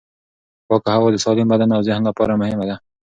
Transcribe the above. پاکه هوا د سالم بدن او ذهن لپاره مهمه ده.